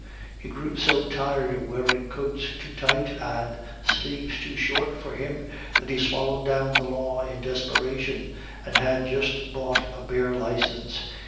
He grew so tired of wearing coats too tight and sleeves too short for him, that he swallowed down the law in desperation and had just bought a bare license.